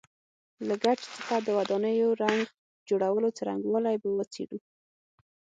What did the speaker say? له ګچ څخه د ودانیو رنګ جوړولو څرنګوالی به وڅېړو.